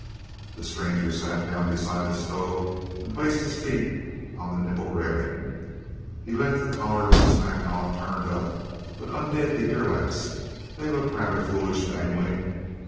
The stranger sat down beside the stove and placed his feet on the nickel railing. He left the collar of his mackinaw turned up, but untied his ear laps. They looked rather foolish, dangling.